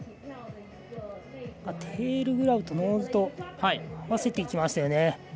テールグラブとノーズと合わせていきましたよね。